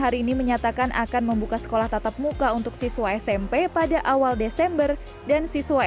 hari ini menyatakan akan membuka sekolah tatap muka untuk siswa smp pada awal desember dan siswa